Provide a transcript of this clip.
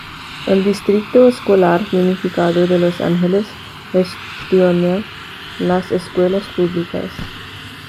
El Distrito Escolar Unificado de Los Ángeles gestiona las escuelas públicas.